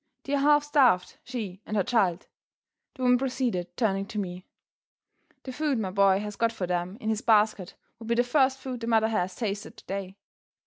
They're half starved, she and her child," the woman proceeded, turning to me. "The food my boy has got for them in his basket will be the first food the mother has tasted today.